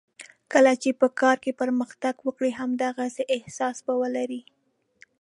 کله چې په کار کې پرمختګ وکړې همدغسې احساس به ولرې.